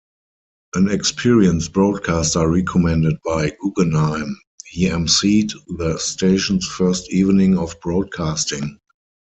An experienced broadcaster, recommended by Guggenheim, he emceed the station's first evening of broadcasting.